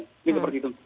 ini seperti itu